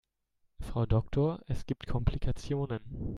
Frau Doktor, es gibt Komplikationen.